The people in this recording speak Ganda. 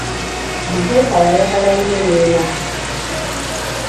Mutesa yayagala nnyo nnyina.